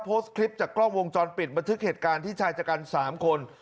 โพสต์คลิปจากกล้องวงจรปิดบันทึกเหตุการณ์ที่ชายจัดการ๓คน